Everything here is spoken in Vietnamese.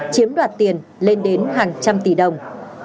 chiếm đoạt tiền lên đến hàng trăm tỷ đồng